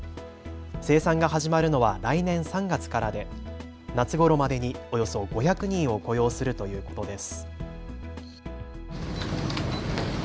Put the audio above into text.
生産が始まるのは来年３月からで夏ごろまでにおよそ５００人を雇用するということです。